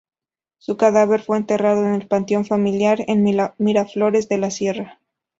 Su cadáver fue enterrado en el panteón familiar en Miraflores de la Sierra.